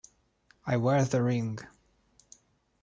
I wear the ring.